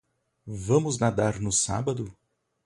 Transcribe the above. Vamos nadar no sábado.